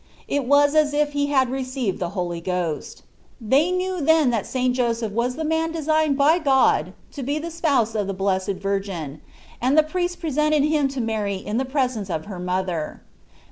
It was as if he had received the Holy Ghost. They knew then that St. Joseph was the man designed by God to be the spouse of the Blessed Virgin, and the priests presented him to Mary in the presence of her mother.